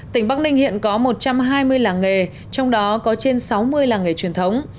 tỉnh bắc ninh hiện có một trăm hai mươi làng nghề trong đó có trên sáu mươi làng nghề truyền thống